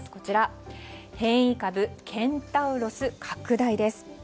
変異株ケンタウロス拡大です。